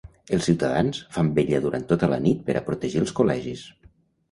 Els ciutadans fan vetlla durant tota la nit per a protegir els col·legis.